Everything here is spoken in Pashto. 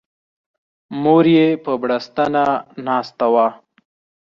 مور یې په بړستنه ناسته وه.